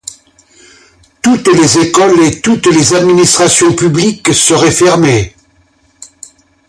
Toutes les écoles et toutes les administrations publiques seraient fermées.